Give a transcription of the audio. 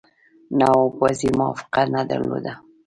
نواب وزیر موافقه نه درلوده.